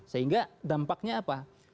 sehingga dampaknya apa